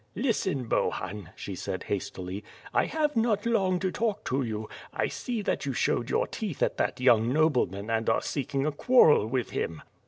"Listen, Bohun," she said hastily, "I have not long to talk to yen; I saw that you showed your teeth at that young nobleman and are seeking a quarrel with him."